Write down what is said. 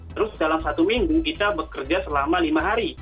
terus dalam satu minggu kita bekerja selama lima hari